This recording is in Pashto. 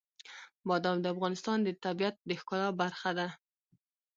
بادام د افغانستان د طبیعت د ښکلا برخه ده.